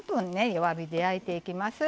弱火で焼いていきます。